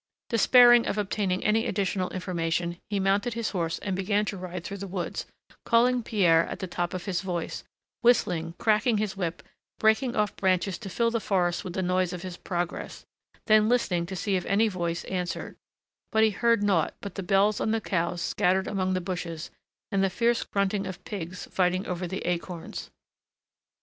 Despairing of obtaining any additional information, he mounted his horse and began to ride through the woods, calling Pierre at the top of his voice, whistling, cracking his whip, breaking off branches to fill the forest with the noise of his progress, then listening to see if any voice answered; but he heard naught but the bells on the cows scattered among the bushes, and the fierce grunting of pigs fighting over the acorns.